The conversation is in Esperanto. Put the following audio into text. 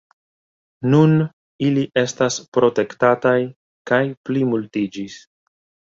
Nun ili estas protektataj kaj plimultiĝis.